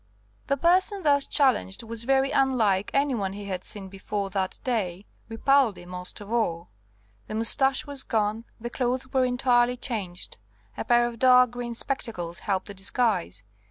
The person thus challenged was very unlike any one he had seen before that day, Ripaldi most of all. The moustache was gone, the clothes were entirely changed; a pair of dark green spectacles helped the disguise.